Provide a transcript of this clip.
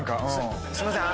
すいません